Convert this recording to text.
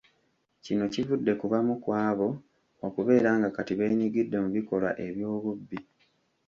Kino kivudde ku bamu ku abo okubeera nga kati beenyigidde mu bikolwa eby’obubbi.